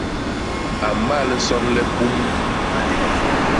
A mmal nson le pum.